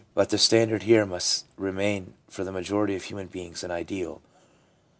But the standard here set must remain for the majority of human beings an ideal.